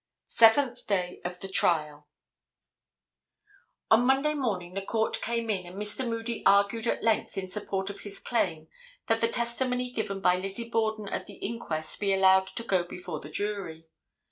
Seventh Day of the Trial. On Monday morning the Court came in and Mr. Moody argued at length in support of his claim that the testimony given by Lizzie Borden at the inquest be allowed to go before the jury.